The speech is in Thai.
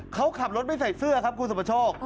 เขาขับรถไม่ใส่เสื้อครับคุณสุประโชค